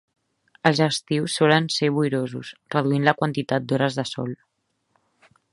Els estius solen ser boirosos, reduint la quantitat d'hores de sol.